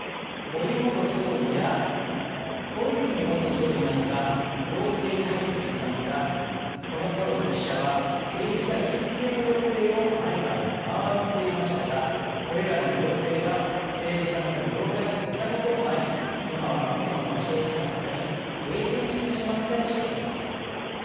森元総理や小泉元総理などが料亭に入っていきますがこのころの記者は政治家行きつけの料亭を毎晩、見回っていましたがこれらの料亭は政治家の利用が減ったこともあり今はもとの場所を去ったり閉店してしまったりしています。